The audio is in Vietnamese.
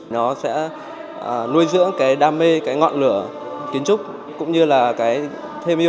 nó sẽ nuôi dưỡng cái đam mê cái ngọn lửa kiến trúc cũng như là cái thêm yêu